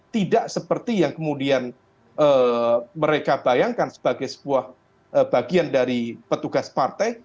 tidak seperti yang kemudian mereka bayangkan sebagai sebuah bagian dari petugas partai